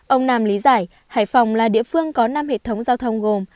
ông nam lý giải hải phòng là địa phương có năm hệ thống giao thông gồm